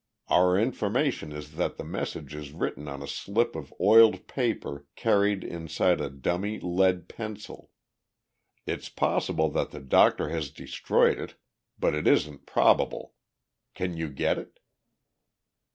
Our information is that the message is written on a slip of oiled paper carried inside a dummy lead pencil. It's possible that the doctor has destroyed it, but it isn't probable. Can you get it?"